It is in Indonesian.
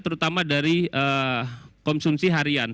terutama dari konsumsi harian